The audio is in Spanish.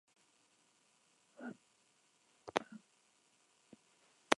Sus hermanos mayores fueron Carlo I Tocco y Petronila Vernier.